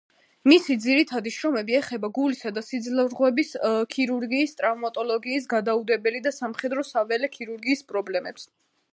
მისი ძირითადი შრომები ეხება გულისა და სისხლძარღვების ქირურგიის, ტრავმატოლოგიის, გადაუდებელი და სამხედრო-საველე ქირურგიის პრობლემებს.